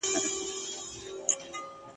بلخ تاریخي اهمیت لري.